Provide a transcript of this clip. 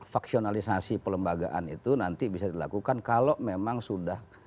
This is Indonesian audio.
faksionalisasi pelembagaan itu nanti bisa dilakukan kalau memang sudah